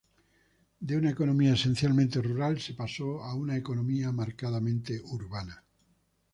De una economía esencialmente rural se pasó a una economía marcadamente urbana.